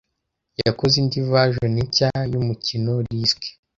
yakoze indi version nshya y’umukino "Risk"